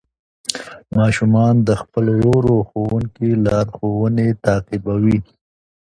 ماشومان د خپل ورو ورو ښوونکي لارښوونې تعقیبوي